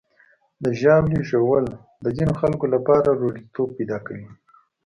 د ژاولې ژوول د ځینو خلکو لپاره روږديتوب پیدا کوي.